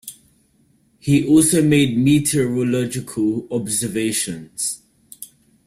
He also made meteorological observations.